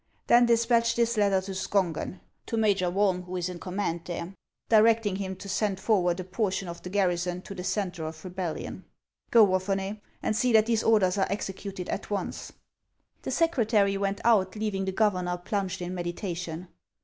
Then despatch this letter to Skongen, to Major Wollnn, who is in command there, directing him to send forward a portion of the garrison to the centre of rebellion. Go, Wapherney, and see that these orders are executed at once." The secretary went out, leaving the governor plunged in meditation.